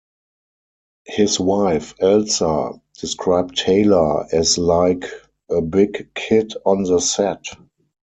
His wife Elsa described Taylor as like a big kid on the set.